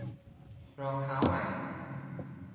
- รองเท้าใหม่